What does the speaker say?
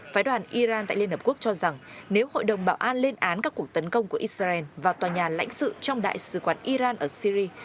phái đoàn iran tại liên hợp quốc cho rằng nếu hội đồng bảo an lên án các cuộc tấn công của israel vào tòa nhà lãnh sự trong đại sứ quán iran ở syri